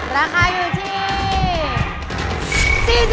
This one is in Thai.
ราคาอยู่ที่